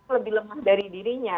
lebih lemah dari dirinya